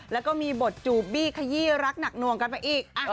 แล้วก็มีบทจูบบี้ขยี้รักหนักหน่วงกันไปอีก